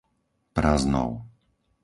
Praznov